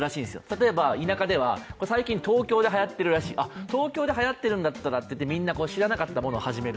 例えば田舎では、最近東京ではやってるらしい、東京ではやってるんだったらとみんな知らなかったものを始める。